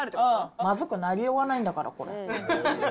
まずくなりようがないんだから、これ。